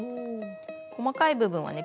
細かい部分はね